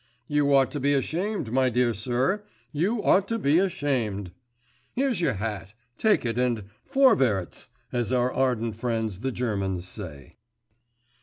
You ought to be ashamed, my dear sir, you ought to be ashamed. Here's your hat. Take it and "Vorwärts," as our ardent friends the Germans say.